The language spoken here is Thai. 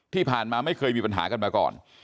ที่ผ่านมาไม่เคยมีปัญหากันมาก่อน